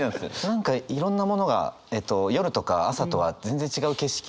何かいろんなものが夜とか朝とは全然違う景色じゃないですか。